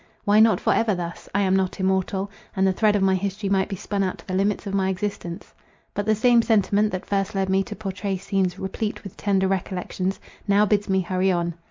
Why not for ever thus? I am not immortal; and the thread of my history might be spun out to the limits of my existence. But the same sentiment that first led me to pourtray scenes replete with tender recollections, now bids me hurry on.